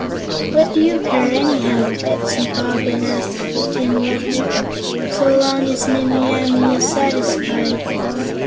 "What do you care, anyhow," Betsy Bobbin asked the Tin Woodman, "so long as Nimmie Amee is satisfied?"